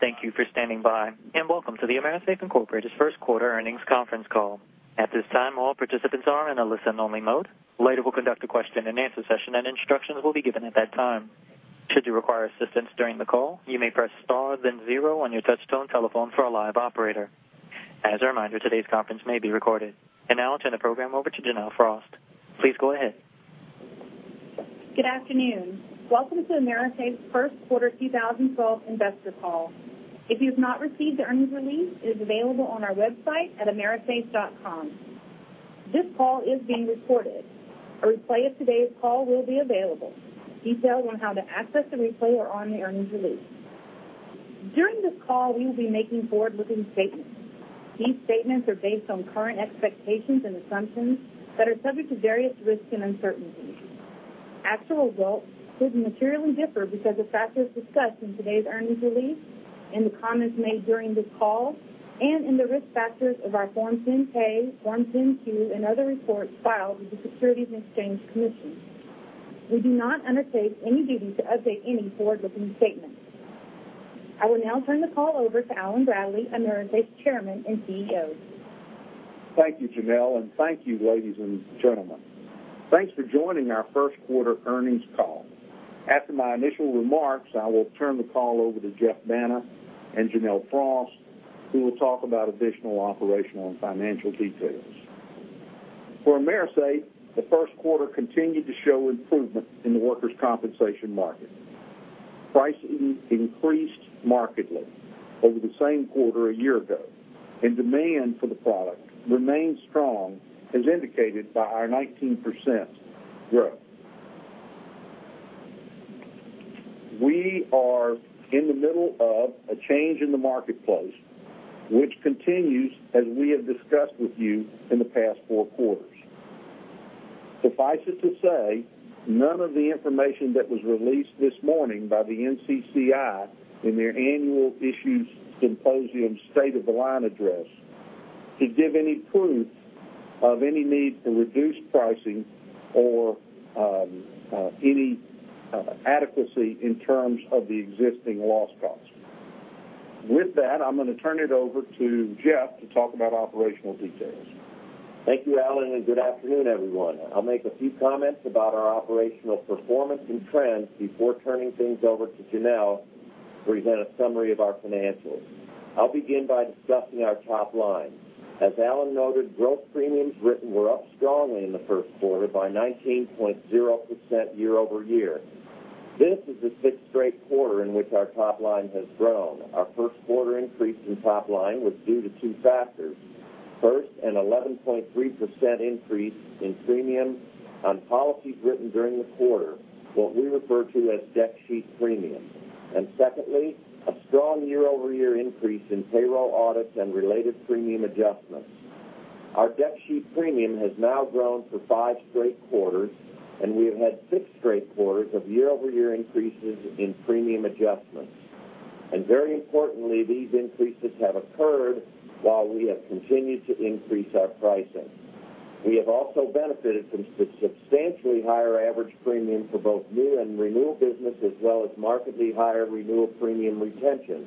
Thank you for standing by, and welcome to the AMERISAFE Inc first quarter earnings conference call. At this time, all participants are in a listen-only mode. Later, we'll conduct a question-and-answer session, and instructions will be given at that time. Should you require assistance during the call, you may press star then zero on your touch-tone telephone for a live operator. As a reminder, today's conference may be recorded. Now I'll turn the program over to Janelle Frost. Please go ahead. Good afternoon. Welcome to AMERISAFE's first quarter 2012 investor call. If you've not received the earnings release, it is available on our website at amerisafe.com. This call is being recorded. A replay of today's call will be available. Details on how to access the replay are on the earnings release. During this call, we will be making forward-looking statements. These statements are based on current expectations and assumptions that are subject to various risks and uncertainties. Actual results could materially differ because of factors discussed in today's earnings release, in the comments made during this call, and in the risk factors of our Forms 10-K, Form 10-Q, and other reports filed with the Securities and Exchange Commission. We do not undertake any duty to update any forward-looking statements. I will now turn the call over to Allen Bradley, AMERISAFE's Chairman and CEO. Thank you, Janelle, and thank you, ladies and gentlemen. Thanks for joining our first quarter earnings call. After my initial remarks, I will turn the call over to Geoff Banta and Janelle Frost, who will talk about additional operational and financial details. For AMERISAFE, the first quarter continued to show improvement in the workers' compensation market. Pricing increased markedly over the same quarter a year ago, and demand for the product remains strong, as indicated by our 19% growth. We are in the middle of a change in the marketplace, which continues as we have discussed with you in the past four quarters. Suffice it to say, none of the information that was released this morning by the NCCI in their Annual Issues Symposium State of the Line address could give any proof of any need to reduce pricing or any adequacy in terms of the existing loss cost. With that, I'm going to turn it over to Geoff to talk about operational details. Thank you, Allen. Good afternoon, everyone. I'll make a few comments about our operational performance and trends before turning things over to Janelle to present a summary of our financials. I'll begin by discussing our top line. As Allen noted, gross premiums written were up strongly in the first quarter by 19.0% year-over-year. This is the sixth straight quarter in which our top line has grown. Our first quarter increase in top line was due to two factors. First, an 11.3% increase in premium on policies written during the quarter, what we refer to as deck sheet premium. Secondly, a strong year-over-year increase in payroll audits and related premium adjustments. Our deck sheet premium has now grown for five straight quarters, we have had six straight quarters of year-over-year increases in premium adjustments. Very importantly, these increases have occurred while we have continued to increase our pricing. We have also benefited from substantially higher average premium for both new and renewal business, as well as markedly higher renewal premium retention.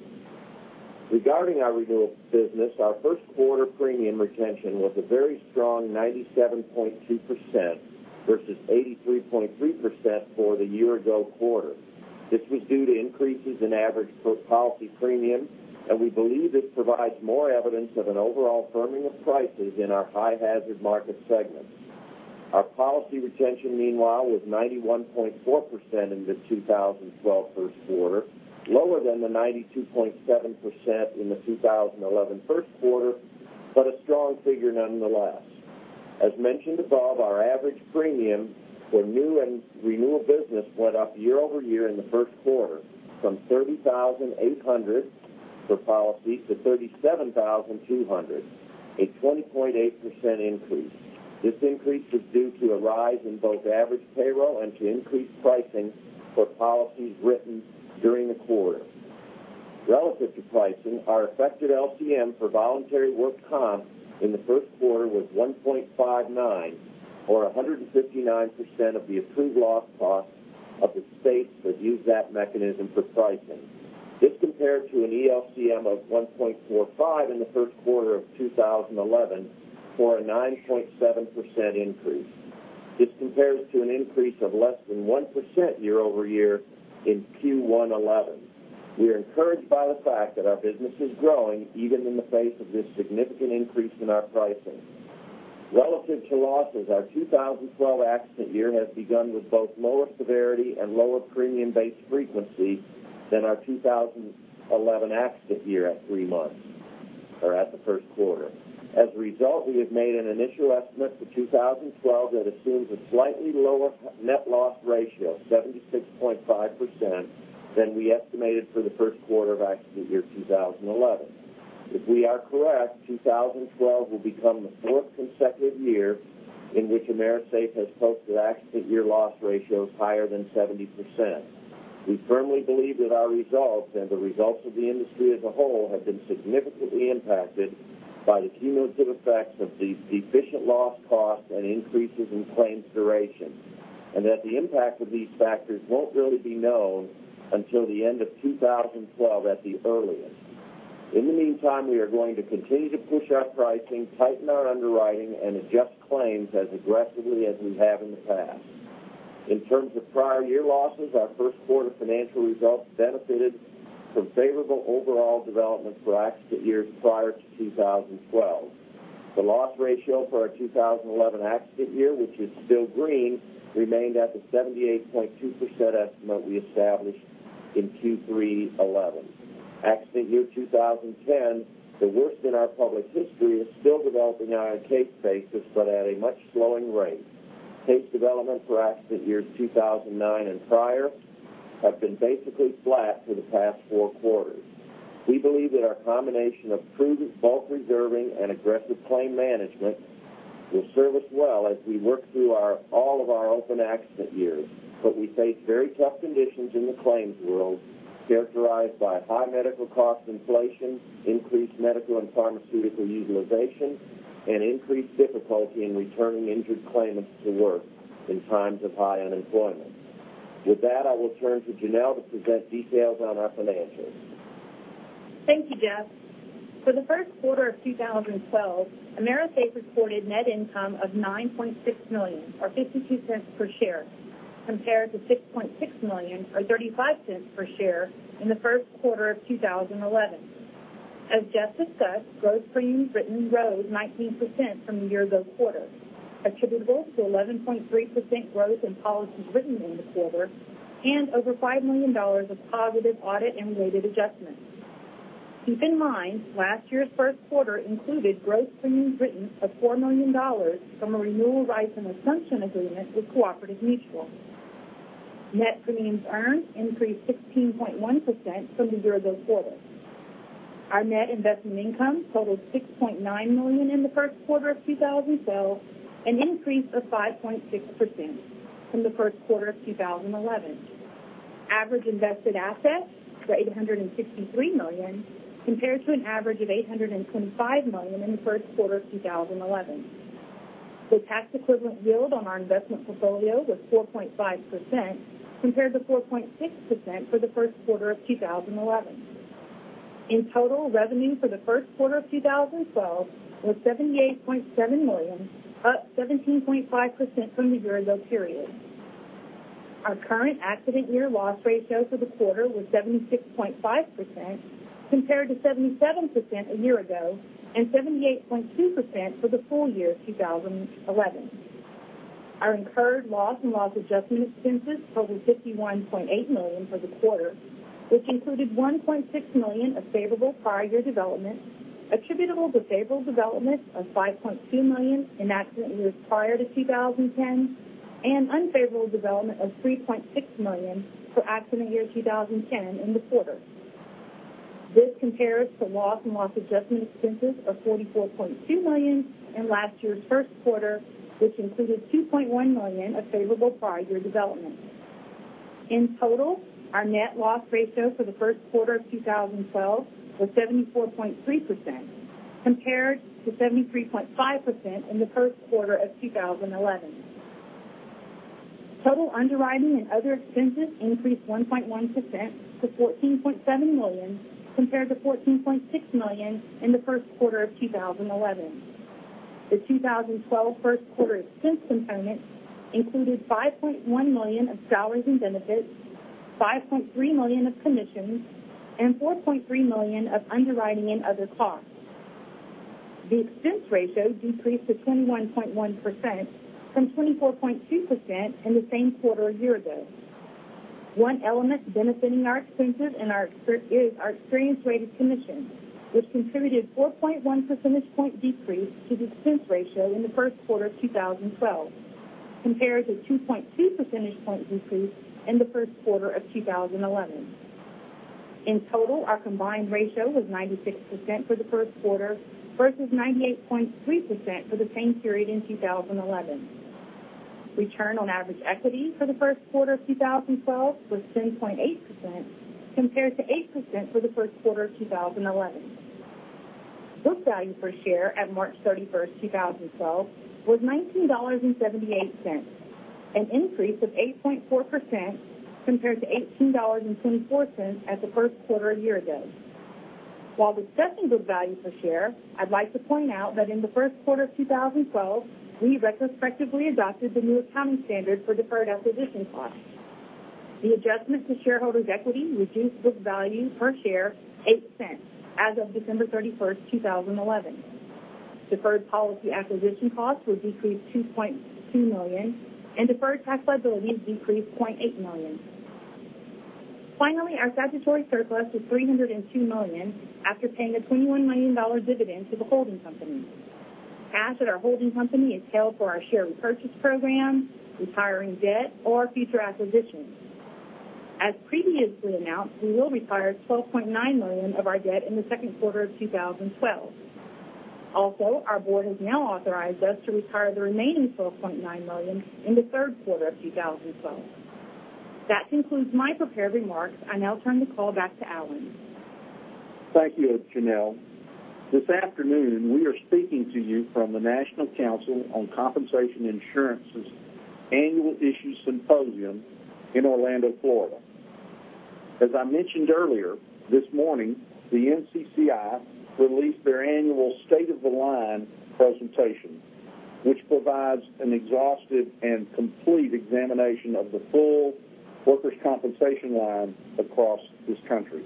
Regarding our renewal business, our first quarter premium retention was a very strong 97.2% versus 83.3% for the year-ago quarter. This was due to increases in average per policy premium. We believe this provides more evidence of an overall firming of prices in our high hazard market segments. Our policy retention, meanwhile, was 91.4% in the 2012 first quarter, lower than the 92.7% in the 2011 first quarter, but a strong figure nonetheless. As mentioned above, our average premium for new and renewal business went up year-over-year in the first quarter from $30,800 per policy to $37,200, a 20.8% increase. This increase was due to a rise in both average payroll and to increased pricing for policies written during the quarter. Relative to pricing, our effective LCM for voluntary work comp in the first quarter was 1.59 or 159% of the approved loss cost of the states that use that mechanism for pricing. This compared to an ELCM of 1.45 in the first quarter of 2011 for a 9.7% increase. This compares to an increase of less than 1% year-over-year in Q1 2011. We are encouraged by the fact that our business is growing even in the face of this significant increase in our pricing. Relative to losses, our 2012 accident year has begun with both lower severity and lower premium-based frequency than our 2011 accident year at three months or at the first quarter. As a result, we have made an initial estimate for 2012 that assumes a slightly lower net loss ratio, 76.5%, than we estimated for the first quarter of accident year 2011. If we are correct, 2012 will become the fourth consecutive year in which AMERISAFE has posted accident year loss ratios higher than 70%. We firmly believe that our results and the results of the industry as a whole have been significantly impacted by the cumulative effects of the deficient loss cost and increases in claims duration. That the impact of these factors won't really be known until the end of 2012 at the earliest. In the meantime, we are going to continue to push our pricing, tighten our underwriting, and adjust claims as aggressively as we have in the past. In terms of prior year losses, our first quarter financial results benefited from favorable overall development for accident years prior to 2012. The loss ratio for our 2011 accident year, which is still green, remained at the 78.2% estimate we established in Q3 2011. Accident year 2010, the worst in our public history, is still developing on a case basis but at a much slower rate. Case development for accident years 2009 and prior have been basically flat for the past four quarters. We believe that our combination of prudent bulk reserving and aggressive claim management will serve us well as we work through all of our open accident years. We face very tough conditions in the claims world, characterized by high medical cost inflation, increased medical and pharmaceutical utilization, and increased difficulty in returning injured claimants to work in times of high unemployment. With that, I will turn to Janelle to present details on our financials. Thank you, Geoff. For the first quarter of 2012, AMERISAFE reported net income of $9.6 million, or $0.52 per share, compared to $6.6 million or $0.35 per share in the first quarter of 2011. As Geoff discussed, gross premiums written rose 19% from the year-ago quarter, attributable to 11.3% growth in policies written in the quarter and over $5 million of positive audit and related adjustments. Keep in mind, last year's first quarter included gross premiums written of $4 million from a renewal rights and assumption agreement with Cooperative Mutual. Net premiums earned increased 16.1% from the year-ago quarter. Our net investment income totaled $6.9 million in the first quarter of 2012, an increase of 5.6% from the first quarter of 2011. Average invested assets were $863 million, compared to an average of $825 million in the first quarter of 2011. The tax equivalent yield on our investment portfolio was 4.5%, compared to 4.6% for the first quarter of 2011. In total, revenue for the first quarter of 2012 was $78.7 million, up 17.5% from the year-ago period. Our current accident year loss ratio for the quarter was 76.5%, compared to 77% a year ago and 78.2% for the full year 2011. Our incurred loss and loss adjustment expenses totaled $51.8 million for the quarter, which included $1.6 million of favorable prior year development, attributable to favorable development of $5.2 million in accident years prior to 2010, and unfavorable development of $3.6 million for accident year 2010 in the quarter. This compares to loss and loss adjustment expenses of $44.2 million in last year's first quarter, which included $2.1 million of favorable prior year development. In total, our net loss ratio for the first quarter of 2012 was 74.3%, compared to 73.5% in the first quarter of 2011. Total underwriting and other expenses increased 1.1% to $14.7 million, compared to $14.6 million in the first quarter of 2011. The 2012 first quarter expense components included $5.1 million of salaries and benefits, $5.3 million of commissions, and $4.3 million of underwriting and other costs. The expense ratio decreased to 21.1% from 24.2% in the same quarter a year ago. One element benefiting our expenses is our experience-rated commission, which contributed a 4.1 percentage point decrease to the expense ratio in the first quarter of 2012, compared to a 2.2 percentage point decrease in the first quarter of 2011. In total, our combined ratio was 96% for the first quarter versus 98.3% for the same period in 2011. Return on average equity for the first quarter of 2012 was 10.8%, compared to 8% for the first quarter of 2011. Book value per share at March 31st, 2012 was $19.78, an increase of 8.4% compared to $18.24 at the first quarter a year ago. While discussing book value per share, I'd like to point out that in the first quarter of 2012, we retrospectively adopted the new accounting standard for deferred acquisition costs. The adjustment to shareholders' equity reduced book value per share $0.08 as of December 31st, 2011. Deferred policy acquisition costs were decreased $2.2 million, and deferred tax liabilities decreased $0.8 million. Finally, our statutory surplus was $302 million after paying a $21 million dividend to the holding company. Cash at our holding company is held for our share repurchase program, retiring debt, or future acquisitions. As previously announced, we will retire $12.9 million of our debt in the second quarter of 2012. Our board has now authorized us to retire the remaining $12.9 million in the third quarter of 2012. That concludes my prepared remarks. I now turn the call back to Allen. Thank you, Janelle. This afternoon, we are speaking to you from the National Council on Compensation Insurance's Annual Issues Symposium in Orlando, Florida. As I mentioned earlier, this morning, the NCCI released their annual State of the Line presentation, which provides an exhaustive and complete examination of the full workers' compensation line across this country.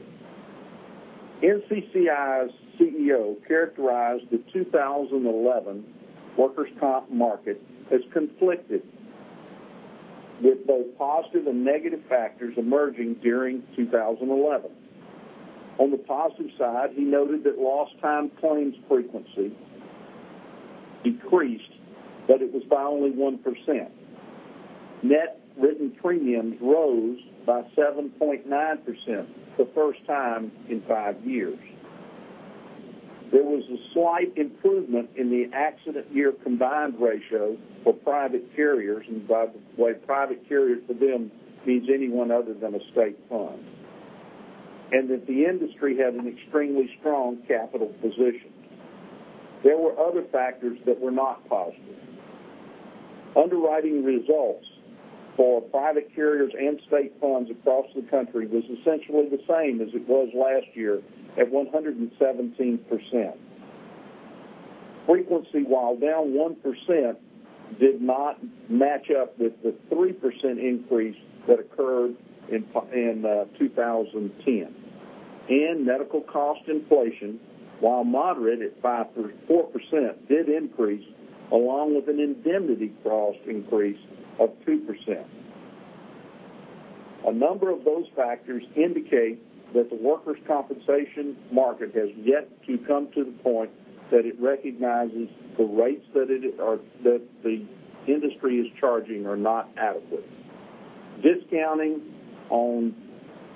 NCCI's CEO characterized the 2011 workers' comp market as conflicted, with both positive and negative factors emerging during 2011. On the positive side, he noted that lost time claims frequency decreased, it was by only 1%. Net written premiums rose by 7.9% for the first time in five years. There was a slight improvement in the accident year combined ratio for private carriers. By the way, private carriers, for them, means anyone other than a state fund. That the industry had an extremely strong capital position. There were other factors that were not positive. Underwriting results for private carriers and state funds across the country was essentially the same as it was last year at 117%. Frequency, while down 1%, did not match up with the 3% increase that occurred in 2010. Medical cost inflation, while moderate at 4%, did increase, along with an indemnity cost increase of 2%. A number of those factors indicate that the workers' compensation market has yet to come to the point that it recognizes the rates that the industry is charging are not adequate. Discounting on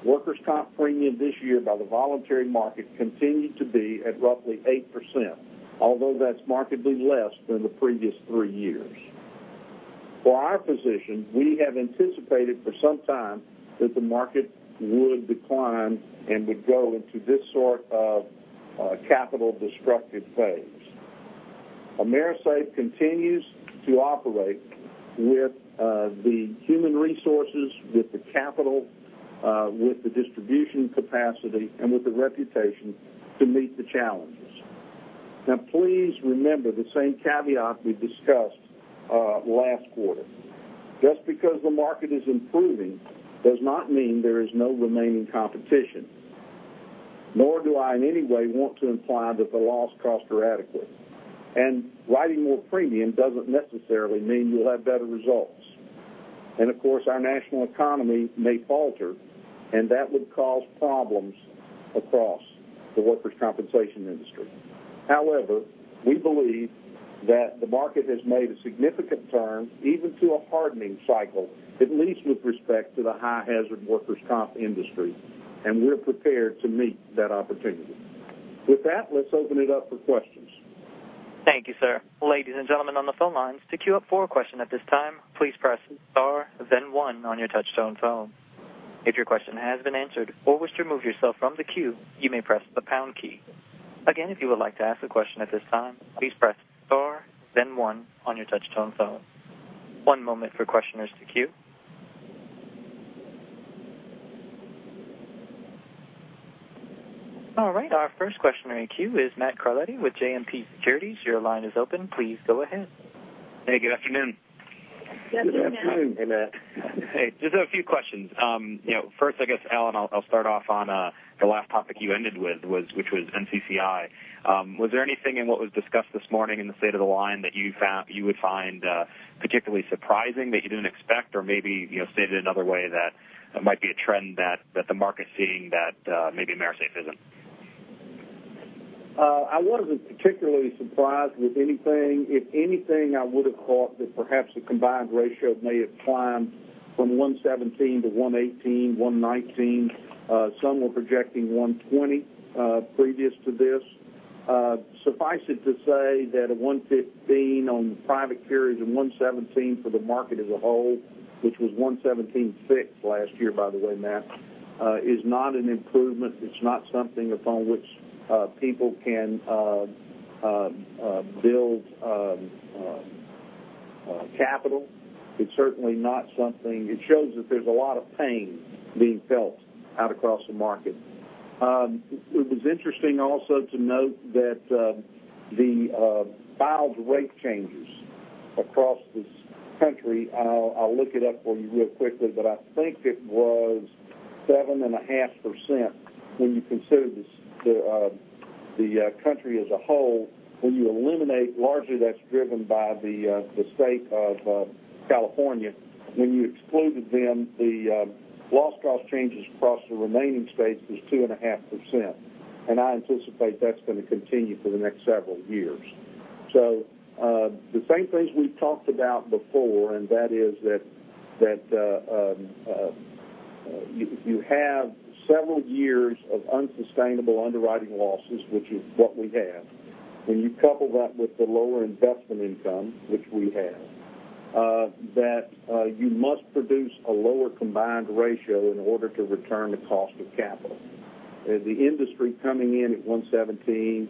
workers' comp premiums this year by the voluntary market continued to be at roughly 8%, although that's markedly less than the previous three years. For our position, we have anticipated for some time that the market would decline and would go into this sort of capital destructive phase. AMERISAFE continues to operate with the human resources, with the capital, with the distribution capacity, and with the reputation to meet the challenges. Now, please remember the same caveat we discussed last quarter. Just because the market is improving does not mean there is no remaining competition, nor do I in any way want to imply that the loss costs are adequate. Writing more premium doesn't necessarily mean you'll have better results. Of course, our national economy may falter, and that would cause problems across the workers' compensation industry. However, we believe that the market has made a significant turn, even to a hardening cycle, at least with respect to the high hazard workers' comp industry, and we're prepared to meet that opportunity. With that, let's open it up for questions. Thank you, sir. Ladies and gentlemen on the phone lines, to queue up for a question at this time, please press star then one on your touch-tone phone. If your question has been answered or wish to remove yourself from the queue, you may press the pound key. Again, if you would like to ask a question at this time, please press star then one on your touch-tone phone. One moment for questioners to queue. All right, our first questioner in queue is Matt Carletti with JMP Securities. Your line is open. Please go ahead. Hey, good afternoon. Good afternoon. Hey, Matt. Hey, just have a few questions. First, I guess, Allen, I'll start off on the last topic you ended with, which was NCCI. Was there anything in what was discussed this morning in the State of the Line that you would find particularly surprising, that you didn't expect, or maybe said it another way that might be a trend that the market's seeing that maybe AMERISAFE isn't? I wasn't particularly surprised with anything. If anything, I would've thought that perhaps the combined ratio may have climbed from 117 to 118, 119. Some were projecting 120 previous to this. Suffice it to say that a 115 on private carriers and 117 for the market as a whole, which was 117.6 last year, by the way, Matt, is not an improvement. It's not something upon which people can build capital. It shows that there's a lot of pain being felt out across the market. It was interesting also to note that the filed rate changes across this country, and I'll look it up for you real quickly, but I think it was 7.5% when you consider the country as a whole. Largely that's driven by the state of California. When you excluded them, the loss cost changes across the remaining states was 2.5%. I anticipate that's going to continue for the next several years. The same things we've talked about before, that is that you have several years of unsustainable underwriting losses, which is what we have. When you couple that with the lower investment income, which we have. That you must produce a lower combined ratio in order to return the cost of capital. The industry coming in at 117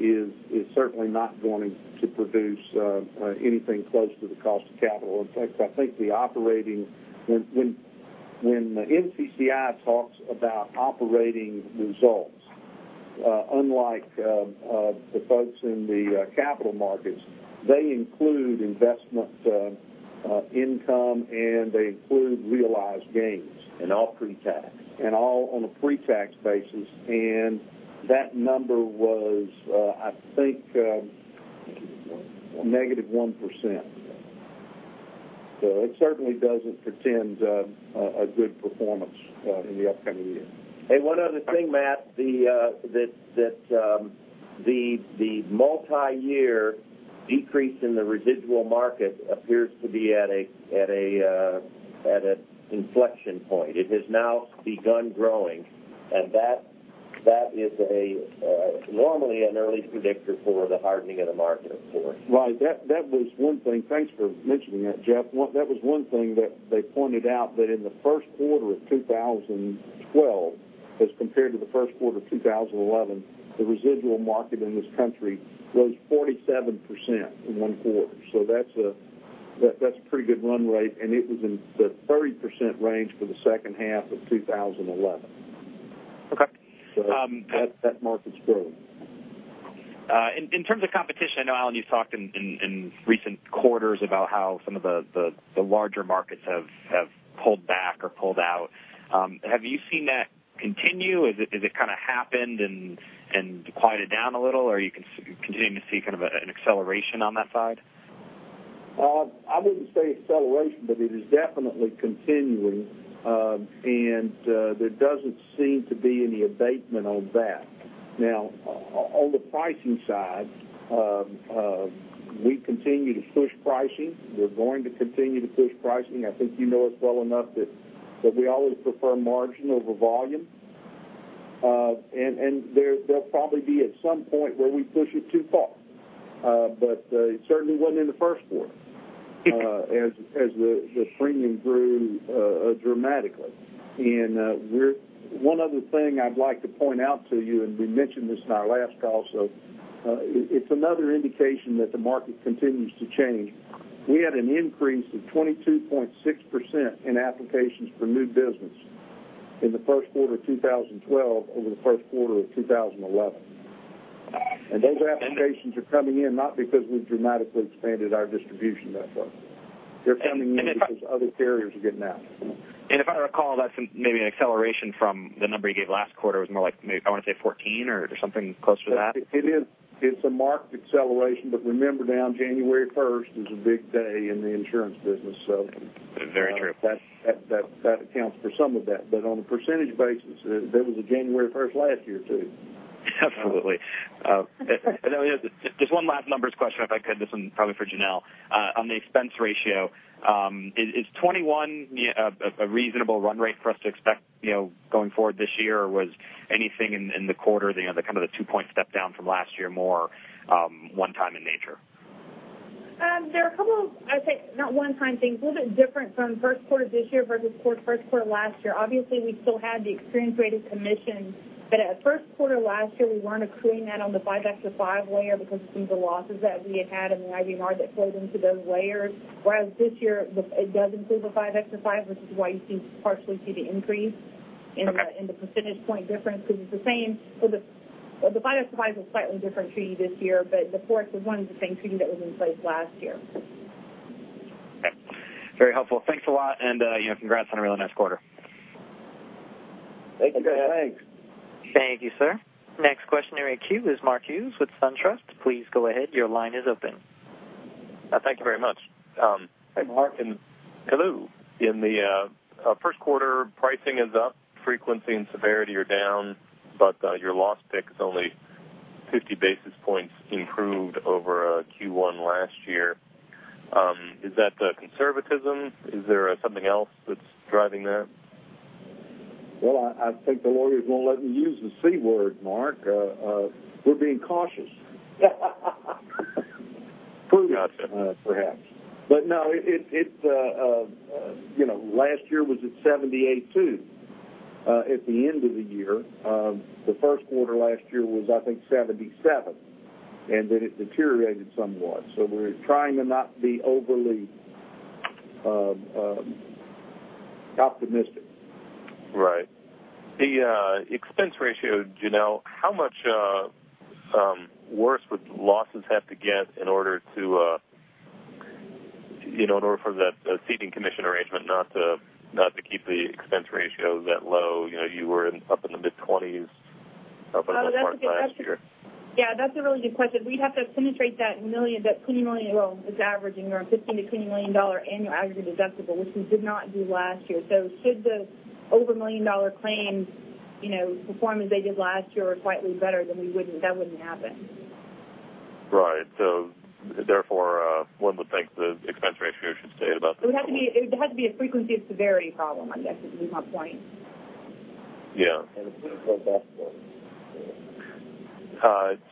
is certainly not going to produce anything close to the cost of capital. In fact, I think when NCCI talks about operating results, unlike the folks in the capital markets, they include investment income, they include realized gains. All pre-tax. All on a pre-tax basis. That number was, I think it was one. negative 1%. It certainly doesn't portend a good performance in the upcoming year. One other thing, Matt, the multi-year decrease in the residual market appears to be at an inflection point. It has now begun growing, that is normally an early predictor for the hardening of the market, of course. Right. Thanks for mentioning that, Geoff. That was one thing that they pointed out, that in the first quarter of 2012 as compared to the first quarter of 2011, the residual market in this country rose 47% in one quarter. That's a pretty good run rate, it was in the 30% range for the second half of 2011. Okay. That market's growing. In terms of competition, I know, Allen, you've talked in recent quarters about how some of the larger markets have pulled back or pulled out. Have you seen that continue? Has it kind of happened and quieted down a little, or are you continuing to see kind of an acceleration on that side? I wouldn't say acceleration, but it is definitely continuing. There doesn't seem to be any abatement on that. Now, on the pricing side, we continue to push pricing. We're going to continue to push pricing. I think you know us well enough that we always prefer margin over volume. There'll probably be at some point where we push it too far. But it certainly wasn't in the first quarter as the premium grew dramatically. One other thing I'd like to point out to you, and we mentioned this in our last call, so it's another indication that the market continues to change. We had an increase of 22.6% in applications for new business in the first quarter of 2012 over the first quarter of 2011. Those applications are coming in not because we've dramatically expanded our distribution that far. They're coming in because other carriers are getting out. If I recall, that's maybe an acceleration from the number you gave last quarter. It was more like, I want to say 14 or something closer to that. It is. It's a marked acceleration, but remember now January 1st is a big day in the insurance business, so- Very true That accounts for some of that. On a percentage basis, there was a January 1st last year, too. Absolutely. Just one last numbers question, if I could. This one probably for Janelle. On the expense ratio, is 21 a reasonable run rate for us to expect going forward this year? Or was anything in the quarter, kind of the two-point step down from last year, more one-time in nature? There are a couple of, I'd say, not one-time things, a little bit different from first quarter this year versus first quarter last year. Obviously, we still had the experience-rated commission. At first quarter last year, we weren't accruing that on the 5X5 layer because of some of the losses that we had had in the IBNR that flowed into those layers. This year, it does include the 5X5, which is why you partially see the increase in the percentage point difference because it's the same. The 5X5 is a slightly different treaty this year, but the fourth was one of the same treaty that was in place last year. Very helpful. Thanks a lot, and congrats on a really nice quarter. Thank you. Okay, thanks. Thank you, sir. Next questioner in queue is Mark Hughes with SunTrust. Please go ahead. Your line is open. Thank you very much. Hey, Mark. Hello. In the first quarter, pricing is up, frequency and severity are down, your loss pick is only 50 basis points improved over Q1 last year. Is that conservatism? Is there something else that's driving that? I think the lawyers won't let me use the C word, Mark. We're being cautious. Prudence. Perhaps. No, last year was at 78 too at the end of the year. The first quarter last year was, I think, 77, and then it deteriorated somewhat. We're trying to not be overly optimistic. Right. The expense ratio, Janelle, how much worse would losses have to get in order for that ceding commission arrangement not to keep the expense ratio that low? You were up in the mid-20s up until last year. Yeah, that's a really good question. We'd have to penetrate that $15 million-$20 million annual aggregate deductible, which we did not do last year. Should the over million-dollar claims perform as they did last year or slightly better, then that wouldn't happen. Therefore, one would think the expense ratio should stay at about the same level. It would have to be a frequency and severity problem, I guess, is my point. Yeah. It's been so best for us.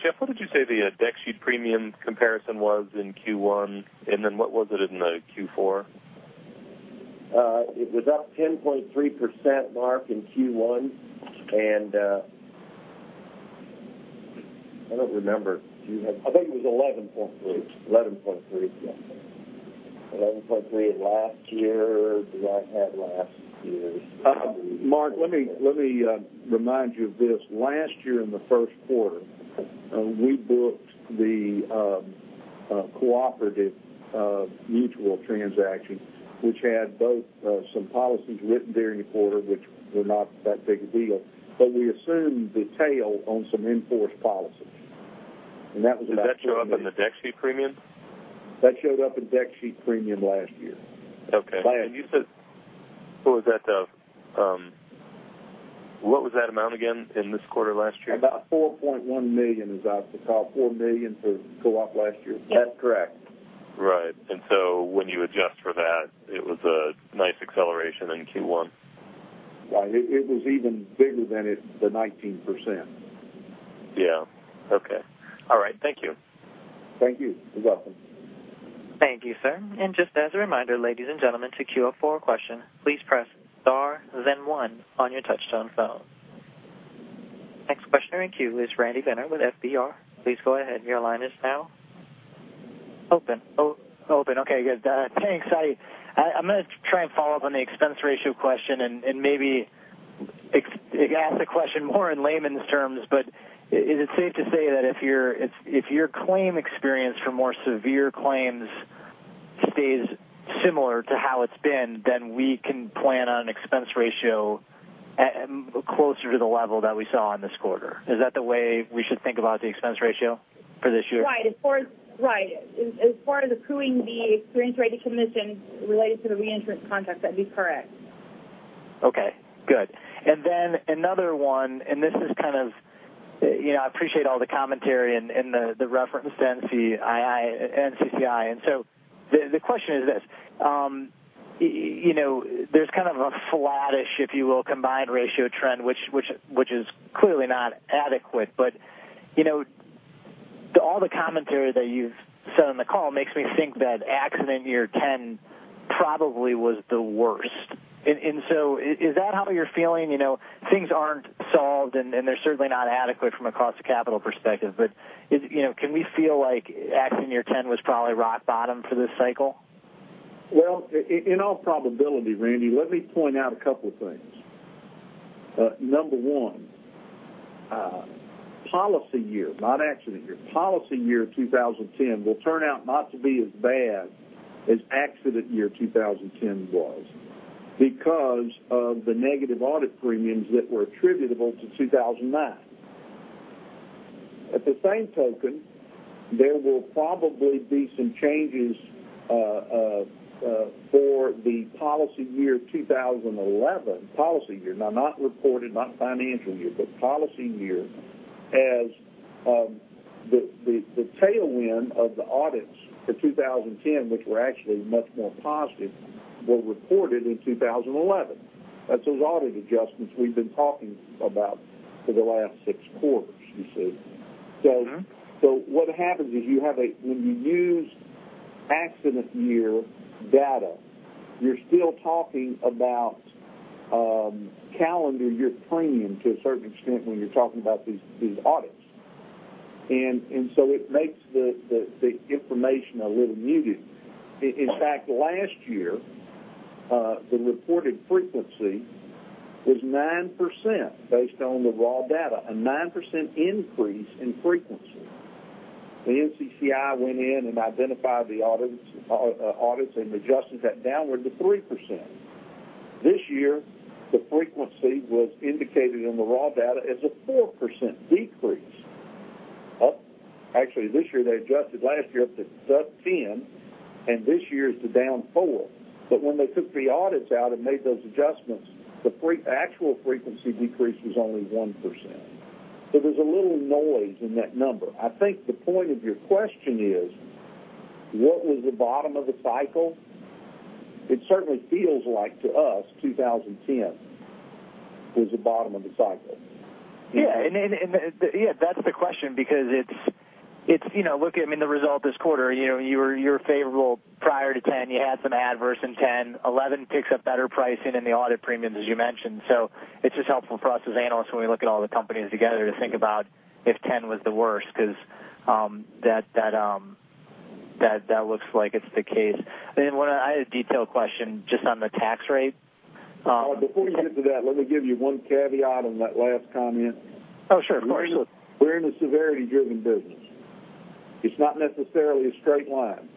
Geoff, what did you say the deck sheet premium comparison was in Q1, and then what was it in the Q4? It was up 10.3%, Mark, in Q1. I don't remember. Do you have- I think it was 11.3%. 11.3%, yeah. 11.3% last year. Do I have last year's? Mark, let me remind you of this. Last year in the first quarter, we booked the Cooperative Mutual transaction, which had both some policies written during the quarter, which were not that big a deal, but we assumed the tail on some in-force policies. Did that show up in the deck sheet premium? That showed up in deck sheet premium last year. Okay. Last year. What was that amount again in this quarter last year? About $4.1 million, about $4 million for Co-op last year. That's correct. Right. When you adjust for that, it was a nice acceleration in Q1. Right. It was even bigger than the 19%. Yeah. Okay. All right. Thank you. Thank you. You're welcome. Thank you, sir. Just as a reminder, ladies and gentlemen, to queue for a question, please press star then one on your touch-tone phone. Next question in queue is Randy Binner with FBR. Please go ahead. Your line is now open. Open. Okay, good. Thanks. I'm going to try and follow up on the expense ratio question and maybe ask the question more in layman's terms. Is it safe to say that if your claim experience for more severe claims stays similar to how it's been, then we can plan on expense ratio closer to the level that we saw in this quarter? Is that the way we should think about the expense ratio for this year? Right. As far as accruing the experience-rated commission related to the reinsurance contracts, that'd be correct. Okay, good. I appreciate all the commentary and the reference to NCCI. The question is this. There's kind of a flattish, if you will, combined ratio trend, which is clearly not adequate. All the commentary that you've said on the call makes me think that accident year 2010 probably was the worst. Is that how you're feeling? Things aren't solved, and they're certainly not adequate from a cost of capital perspective. Can we feel like accident year 2010 was probably rock bottom for this cycle? Well, in all probability, Randy, let me point out a couple of things. Number one, policy year, not accident year. Policy year 2010 will turn out not to be as bad as accident year 2010 was because of the negative audit premiums that were attributable to 2009. At the same token, there will probably be some changes for the policy year 2011. Policy year, now not reported, not financial year, but policy year as the tailwind of the audits for 2010, which were actually much more positive, were reported in 2011. That's those audit adjustments we've been talking about for the last six quarters, you see. What happens is when you use accident year data, you're still talking about calendar year premium to a certain extent when you're talking about these audits. It makes the information a little muted. In fact, last year, the reported frequency was 9% based on the raw data, a 9% increase in frequency. The NCCI went in and identified the audits and adjusted that downward to 3%. This year, the frequency was indicated in the raw data as a 4% decrease. Actually, this year they adjusted last year up to sub 10, and this year it's the down four. When they took the audits out and made those adjustments, the actual frequency decrease was only 1%. There's a little noise in that number. I think the point of your question is, what was the bottom of the cycle? It certainly feels like to us 2010 was the bottom of the cycle. Yeah. That's the question because it's looking at the result this quarter, you were favorable prior to 2010. You had some adverse in 2010. 2011 picks up better pricing in the audit premiums, as you mentioned. It's just helpful for us as analysts when we look at all the companies together to think about if 2010 was the worst, because that looks like it's the case. I had a detailed question just on the tax rate. Before you get to that, let me give you one caveat on that last comment. Oh, sure. Of course. We're in a severity-driven business. It's not necessarily a straight line.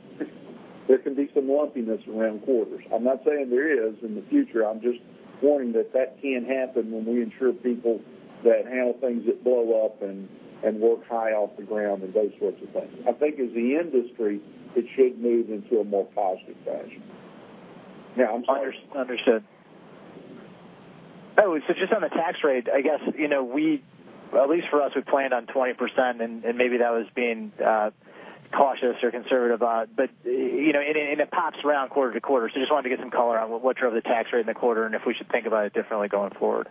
There can be some lumpiness around quarters. I'm not saying there is in the future, I'm just warning that that can happen when we insure people that handle things that blow up and work high off the ground and those sorts of things. I think as the industry, it should move into a more positive fashion. Understood. Just on the tax rate, I guess, at least for us, we planned on 20% and maybe that was being cautious or conservative about. It pops around quarter to quarter. Just wanted to get some color on what drove the tax rate in the quarter and if we should think about it differently going forward.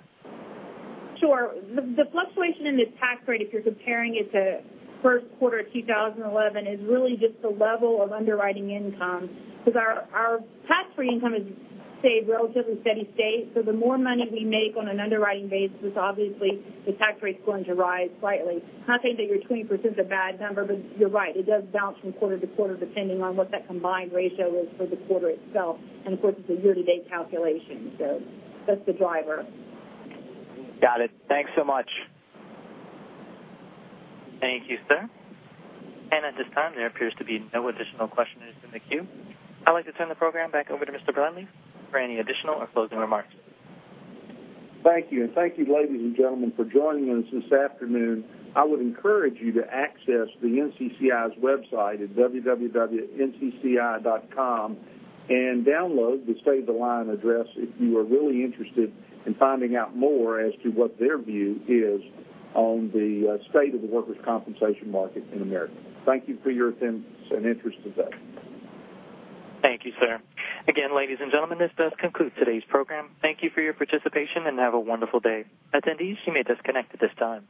Sure. The fluctuation in this tax rate, if you're comparing it to first quarter 2011, is really just the level of underwriting income because our tax-free income has stayed relatively steady state. The more money we make on an underwriting basis, obviously the tax rate's going to rise slightly. Not saying that your 20% is a bad number, but you're right, it does bounce from quarter to quarter depending on what that combined ratio is for the quarter itself. Of course, it's a year-to-date calculation. That's the driver. Got it. Thanks so much. Thank you, sir. At this time, there appears to be no additional questions in the queue. I'd like to turn the program back over to Mr. Bradley for any additional or closing remarks. Thank you. Thank you, ladies and gentlemen, for joining us this afternoon. I would encourage you to access the NCCI's website at www.ncci.com and download the State of the Line address if you are really interested in finding out more as to what their view is on the state of the workers' compensation market in America. Thank you for your attendance and interest today. Thank you, sir. Again, ladies and gentlemen, this does conclude today's program. Thank you for your participation and have a wonderful day. Attendees, you may disconnect at this time.